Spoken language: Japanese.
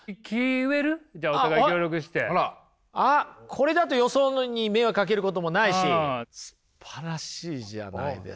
これだとよそに迷惑かけることもないしすばらしいじゃないですか。